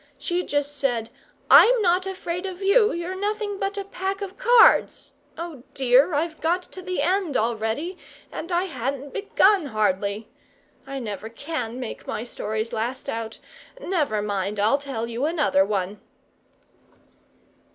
She just said, 'I'm not afraid of you, you're nothing but a pack of cards' oh, dear! I've got to the end already, and I hadn't begun hardly! I never can make my stories last out! Never mind, I'll tell you another one."